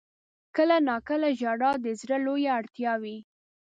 • کله ناکله ژړا د زړه لویه اړتیا وي.